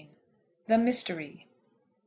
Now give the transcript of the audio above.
THE MYSTERY. MR.